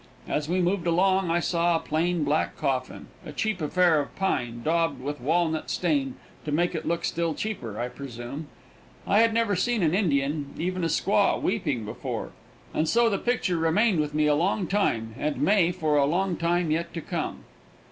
As we moved along I saw a plain black coffin a cheap affair of pine, daubed with walnut stain to make it look still cheaper, I presume. I had never seen an Indian even a squaw weeping before, and so the picture remained with me a long time, and may for a long time yet to come.